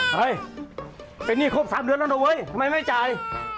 เฮ้ยเป็นหนี้ครบ๓เดือนแล้วนะเว้ยทำไมไม่จ่าย